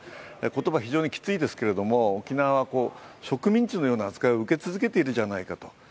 言葉は非常にきついですけれども沖縄は植民地のような扱いを受け続けているじゃないかと。